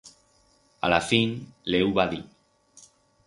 A la fin le hu va dir.